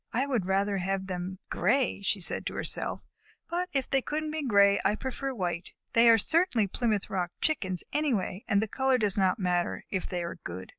"I would rather have had them gray," she said to herself, "but if they couldn't be gray, I prefer white. They are certainly Plymouth Rock Chickens anyway, and the color does not matter, if they are good."